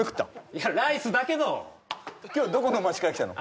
いやライスだけの今日どこの町から来たの？